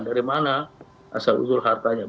dari mana asal usul hartanya